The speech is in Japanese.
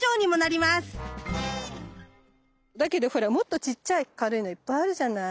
だけどほらもっとちっちゃい軽いのいっぱいあるじゃない。